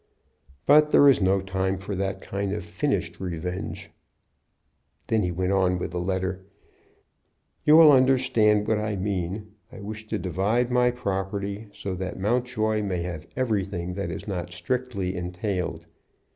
But there is no time for that kind of finished revenge." Then he went on with the letter: "You will understand what I mean. I wish to divide my property so that Mountjoy may have everything that is not strictly entailed.